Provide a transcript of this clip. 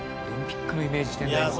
オリンピックのイメージしてんだ。